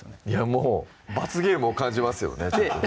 もう罰ゲームを感じますよね